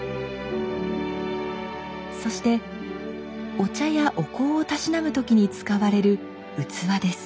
そしてお茶やお香をたしなむ時に使われる器です。